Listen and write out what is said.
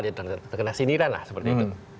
dia terkena sindiran lah seperti itu